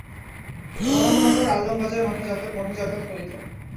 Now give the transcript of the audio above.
বরাহনগর ও আলমবাজার মঠে যাতায়াত করিতেন।